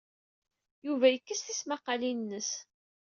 Yuba yekkes tismaqqalin-nnes.